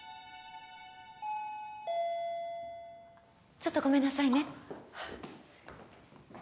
ちょっとごめんなさいね。